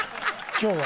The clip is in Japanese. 「今日は」？